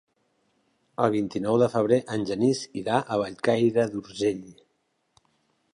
El vint-i-nou de febrer en Genís irà a Bellcaire d'Urgell.